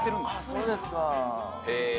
そうですかへえ